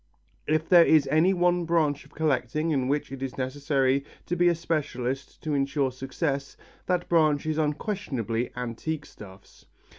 If there is any one branch of collecting in which it is necessary to be a specialist to ensure success, that branch is unquestionably antique stuffs.